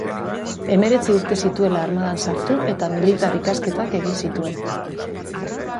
Hemeretzi urte zituela armadan sartu, eta militar ikasketak egin zituen.